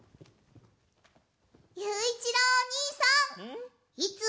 ゆういちろうおにいさんいつも